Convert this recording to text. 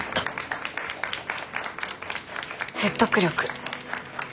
説得力。